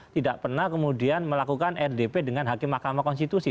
tidak pernah kemudian melakukan rdp dengan hakim mahkamah konstitusi